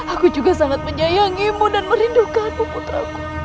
aku juga sangat menyayangi mu dan merindukanmu putraku